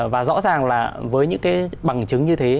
và rõ ràng là với những cái bằng chứng như thế